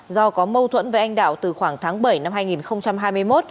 do có mâu thuẫn với anh đạo từ khoảng tháng bảy năm hai nghìn hai mươi một